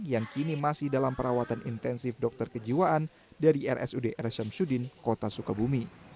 yang kini masih dalam perawatan intensif dokter kejiwaan dari rsud rs syamsudin kota sukabumi